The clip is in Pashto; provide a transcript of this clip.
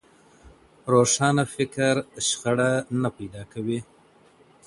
روښانه فکر شخړه نه پیدا کوي.